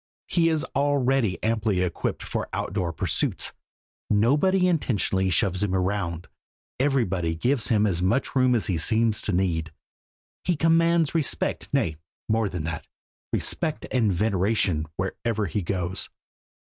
He is already amply equipped for outdoor pursuits. Nobody intentionally shoves him round; everybody gives him as much room as he seems to need. He commands respect nay, more than that, respect and veneration wherever he goes.